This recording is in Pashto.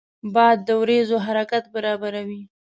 باد د وریځو حرکت برابروي